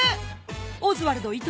オズワルド伊藤